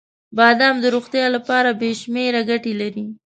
• بادام د روغتیا لپاره بې شمیره ګټې لري.